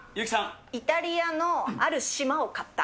イタリアのある島を買った。